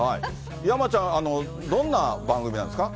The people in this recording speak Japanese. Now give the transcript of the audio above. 山ちゃん、どんな番組なんですか？